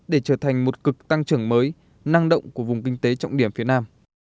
để trở thành một cực tăng trưởng mới năng động của vùng kinh tế trọng điểm phía nam